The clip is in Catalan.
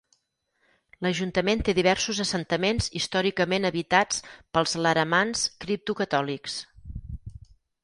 L"ajuntament té diversos assentaments històricament habitats pels Laramans, cripto-catòlics.